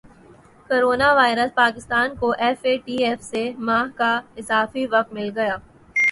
corona virus Pakistan کو F A T F سے ماہ کا اضافی وقت مل گیا